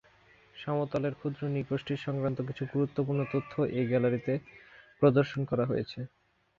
সমতলের ক্ষুদ্র নৃ-গোষ্ঠী সংক্রান্ত কিছু গুরুত্বপূর্ণ তথ্যও এ গ্যালারিতে প্রদর্শন করা হয়েছে।